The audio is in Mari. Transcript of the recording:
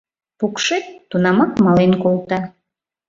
Пукшет — тунамак мален колта.